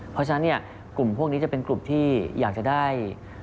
เพราะฉะนั้นเนี่ยกลุ่มพวกนี้จะเป็นกลุ่มที่อยากจะได้